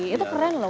itu keren lho